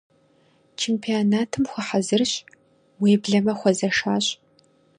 Чемпионатым хуэхьэзырщ, уеблэмэ хуэзэшащ.